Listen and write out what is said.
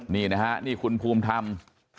นี่นะครับนี่คุณภูมิทำ